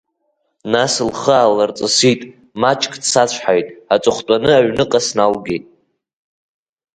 Нас лхы аалырҵысит, маҷк дсацәҳаит аҵыхәтәаны аҩныҟа сналгеит.